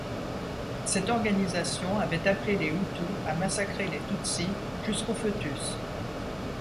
Cette organisation avait appelée les hutu à massacrer les tutsi jusqu'aux fœtus.